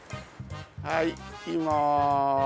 はいいきまーす。